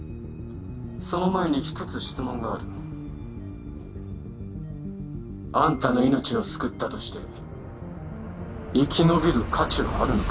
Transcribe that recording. その前に一つ質問があるあんたの命を救ったとして生き延びる価値はあるのか？